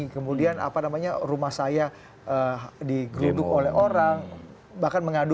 kemudian apa namanya rumah saya digerunduk oleh orang